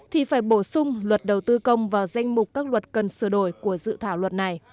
thì phải bổ sung luật đầu tư công vào danh mục các luật cần sửa đổi của dự thảo luật này